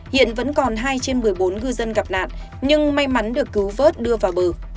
hiện vẫn còn hai trên một mươi bốn ngư dân gặp nạn nhưng may mắn được cứu vớt đưa vào bờ